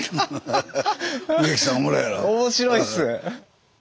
面白いっす。